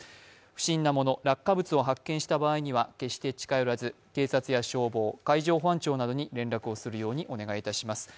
不審なもの落下物を発見した場合は決して近寄らず警察や消防、海上保安庁に連絡するようにお願いします。